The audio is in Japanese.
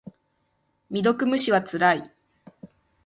未読無視はつらい。